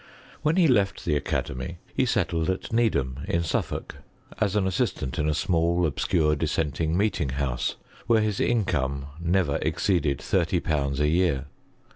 Wlien he left the academy, he settled at Needham in Suffolk, as an assistant in a small obscure dissenting meeting house, where his income never ex ceeded 30/. a year.